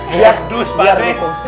biar duz pak deh